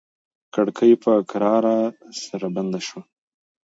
کړکۍ په کراره سره بنده شوه.